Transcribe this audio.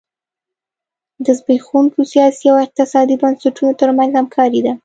د زبېښونکو سیاسي او اقتصادي بنسټونو ترمنځ همکاري ده.